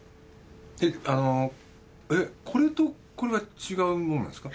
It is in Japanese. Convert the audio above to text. えっあのこれとこれは違うものですか？